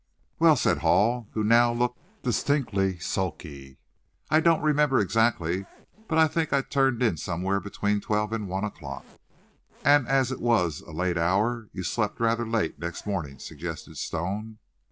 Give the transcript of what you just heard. "Well," said Hall, who now looked distinctly sulky, "I don't remember exactly, but I think I turned in somewhere between twelve and one o'clock." "And as it was a late hour, you slept rather late next morning," suggested Stone.